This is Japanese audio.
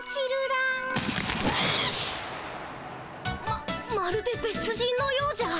ままるでべつ人のようじゃ。